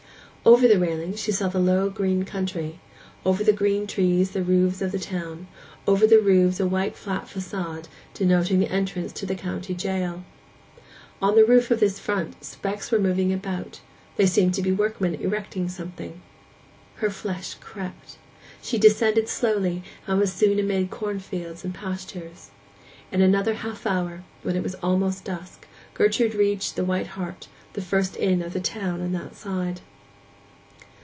Over the railing she saw the low green country; over the green trees the roofs of the town; over the roofs a white flat façade, denoting the entrance to the county jail. On the roof of this front specks were moving about; they seemed to be workmen erecting something. Her flesh crept. She descended slowly, and was soon amid corn fields and pastures. In another half hour, when it was almost dusk, Gertrude reached the White Hart, the first inn of the town on that side.